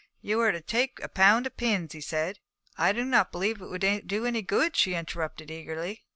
'You are to take a pound of pins,' he said. 'I do not believe it would do any good,' she interrupted eagerly.